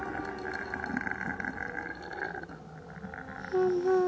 ・・ママ。